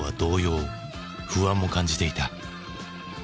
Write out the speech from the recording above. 不安も感じていた。